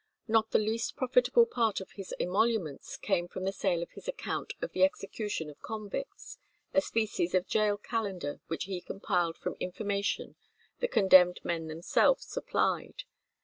Not the least profitable part of his emoluments came from the sale of his account of the execution of convicts, a species of gaol calendar which he compiled from information the condemned men themselves supplied.